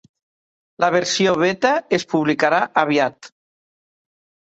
La versió beta es publicarà aviat.